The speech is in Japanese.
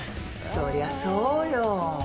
そりゃそうよ。